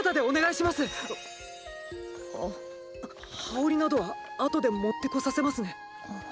羽織などはあとで持ってこさせますね！